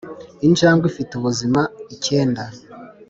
injangwe ifite ubuzima icyenda